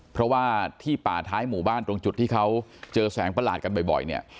เพราะว่าที่ป่าท้ายหมู่บ้านตรงจุดที่เขาเจอแสงประหลาดกันบ่อยเนี่ย